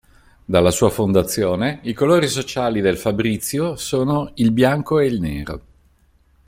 Dalla sua fondazione, i colori sociali del Fabrizio sono il bianco e il nero.